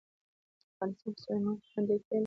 افغانستان په سلیمان غر باندې تکیه لري.